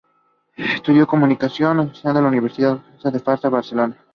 Estudió Comunicación Audiovisual en la Universidad Pompeu Fabra en Barcelona.